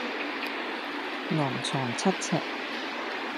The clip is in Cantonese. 昂藏七尺